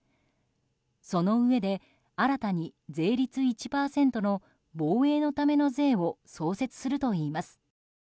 そのうえで新たに税率１％の防衛のための税を創設するといいます。